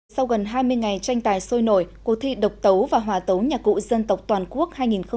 sau gần hai mươi ngày tranh tài sôi nổi cuộc thi độc tấu và hòa tấu nhạc cụ dân tộc toàn quốc hai nghìn hai mươi